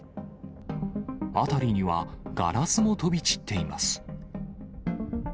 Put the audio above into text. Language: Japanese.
辺りには、ガラスも飛び散っています。